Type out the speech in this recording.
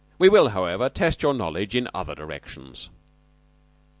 We will, however, test your knowledge in other directions."